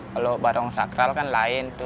kalau barong sakral kan lain tuh